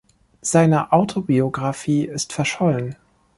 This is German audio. Seine Autobiographie ist verschollen.